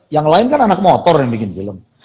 yang lain kan anak motor yang bikin film